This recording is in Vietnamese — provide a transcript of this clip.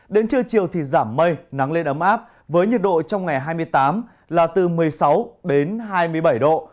đến trưa chiều thì giảm mây nắng lên ấm áp với nhiệt độ trong ngày hai mươi tám là từ một mươi sáu đến hai mươi bảy độ